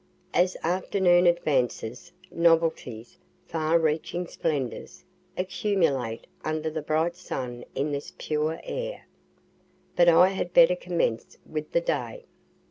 As afternoon advances, novelties, far reaching splendors, accumulate under the bright sun in this pure air. But I had better commence with the day.